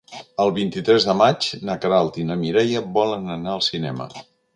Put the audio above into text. El vint-i-tres de maig na Queralt i na Mireia volen anar al cinema.